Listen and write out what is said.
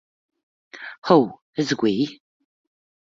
How, Sway?